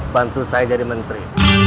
bantu saya jadi menteri